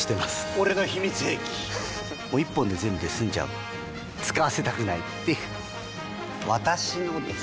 俺の秘密兵器１本で全部済んじゃう使わせたくないっていう私のです！